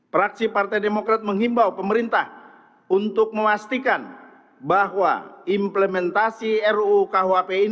fraksi partai demokrat menghimbau pemerintah untuk memastikan bahwa implementasi ru kuhp ini tidak akan menjadi hal yang tidak bisa diperlukan